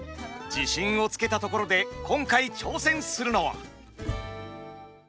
自信をつけたところで今回挑戦するのは！